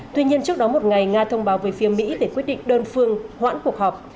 tuy nhiên trước đó một ngày nga thông báo với phía mỹ để quyết định đơn phương hoãn cuộc họp